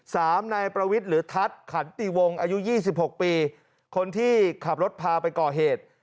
นายประวิทย์หรือทัศน์ขันติวงอายุยี่สิบหกปีคนที่ขับรถพาไปก่อเหตุ